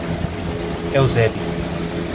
Eusébio